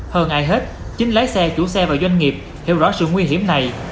hơn ai hết chính lái xe chủ xe và doanh nghiệp hiểu rõ sự nguy hiểm này